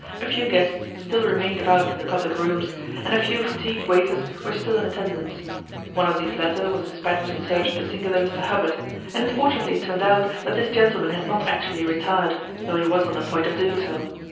A few guests still remained about in the public rooms, and a few fatigued waiters were still in attendance. One of these latter was despatched in search of the singular Mr Hubbard, and it fortunately turned out that this gentleman had not actually retired, though he was on the point of doing so.